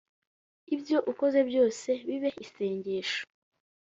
ibyo ukoze byose bibe isengesho